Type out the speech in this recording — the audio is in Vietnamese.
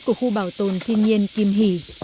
của khu bảo tồn thiên nhiên kim hỷ